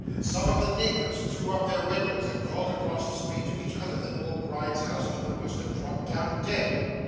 Some of the neighbours threw up their windows, and called across the street to each other that old Gride's housekeeper must have dropped down dead.